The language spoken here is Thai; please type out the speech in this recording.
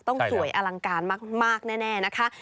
ต้องสวยอลังการมากแน่นะคะ